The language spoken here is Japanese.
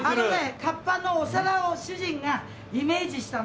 カッパのお皿を主人がイメージしたの。